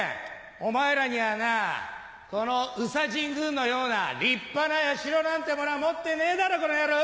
お前らにはなこの宇佐神宮のような立派な社なんてものは持ってねえだろこの野郎！